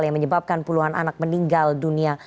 yang menyebabkan puluhan anak meninggal dunia